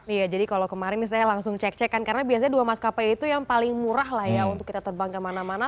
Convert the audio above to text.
iya jadi kalau kemarin saya langsung cek cek kan karena biasanya dua maskapai itu yang paling murah lah ya untuk kita terbang kemana mana